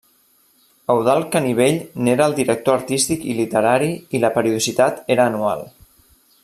Eudald Canivell n’era el director artístic i literari i la periodicitat era anual.